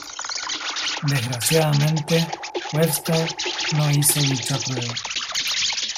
Desgraciadamente, Webster no hizo dicha prueba.